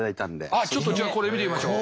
あっちょっとじゃあこれ見てみましょう。